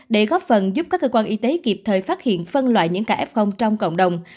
để góp phần giúp các cơ quan y tế kịp thời phát hiện phân loại những ca f trong cộng đồng